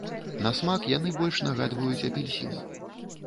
На смак яны больш нагадваюць апельсін.